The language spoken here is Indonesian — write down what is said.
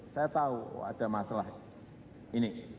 saya tahu ada masalah ini